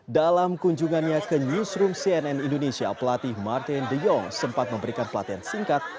dalam kunjungannya ke newsroom cnn indonesia pelatih martin the yong sempat memberikan pelatihan singkat